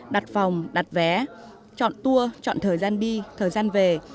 đặt phòng đặt vé chọn tour chọn thời gian đi thời gian về